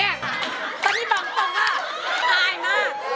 ตอนนี้บังตรงอะ